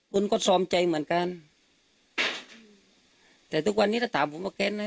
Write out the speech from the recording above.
คุณก็ซอมใจเหมือนกันแต่ทุกวันนี้ถ้าถามผมว่าแกนนะ